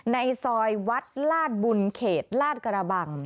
ในซอยวัดลาดบุญเขตลาดกระบัง